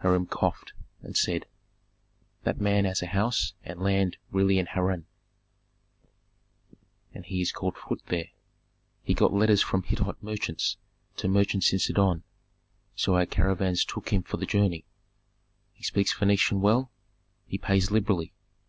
Hiram coughed, and said, "That man has a house and land really in Harran, and he is called Phut there. He got letters from Hittite merchants to merchants in Sidon, so our caravans took him for the journey. He speaks Phœnician well, he pays liberally.